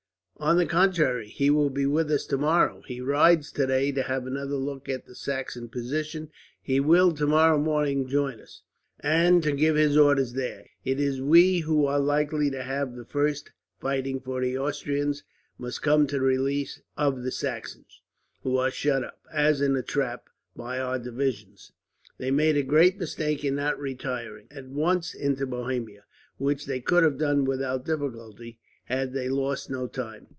"On the contrary, he will be with us tomorrow. He rides today to have another look at the Saxon position, and to give his orders there. He will, tomorrow morning, join us. It is we who are likely to have the first fighting; for the Austrians must come to the relief of the Saxons, who are shut up, as in a trap, by our divisions. They made a great mistake in not retiring, at once, into Bohemia; which they could have done without difficulty, had they lost no time.